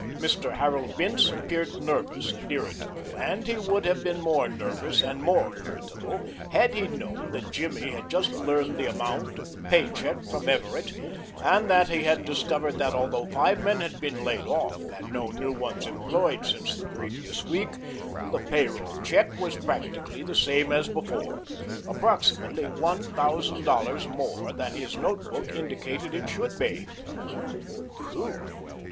Mr. Harold Bince appeared nervous and irritable, and he would have been more nervous and more irritable had he known that Jimmy had just learned the amount of the pay check from Everett and that he had discovered that, although five men had been laid off and no new ones employed since the previous week, the payroll check was practically the same as before approximately one thousand dollars more than his note book indicated it should be. "Phew!"